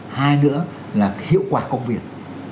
thứ nữa là hiệu quả công việc